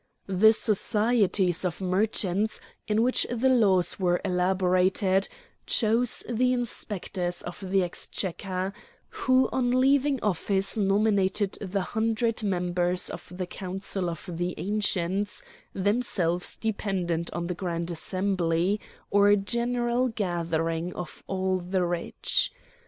The societies of merchants, in which the laws were elaborated, chose the inspectors of the exchequer, who on leaving office nominated the hundred members of the Council of the Ancients, themselves dependent on the Grand Assembly, or general gathering of all the rich.